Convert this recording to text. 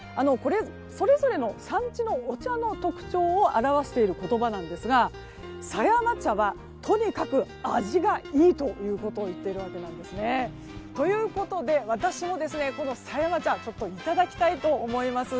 それぞれの産地のお茶の特徴を表している言葉なんですが、狭山茶はとにかく味がいいということをいっているわけなんですよね。ということで、私もこの狭山茶をいただきたいと思います。